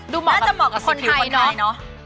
น่าจะเหมาะกับคนไทยเนาะ